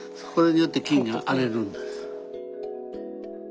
これによって金が荒れるんです。